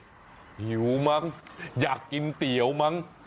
หิวมั้งอยากกินเตี๋ยวมั้ง